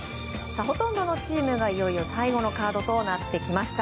ほとんどのチームが、いよいよ最後のカードとなってきました。